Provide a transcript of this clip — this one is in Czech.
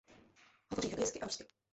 Hovoří hebrejsky a rusky.